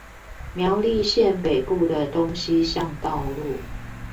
苗栗縣北部的東西向道路